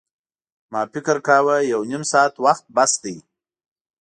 ما فکر کاوه یو نیم ساعت وخت بس دی.